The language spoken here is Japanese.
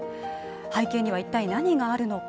背景には一体何があるのか。